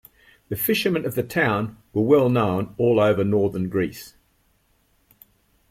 The fishermen of the town were well known all over northern Greece.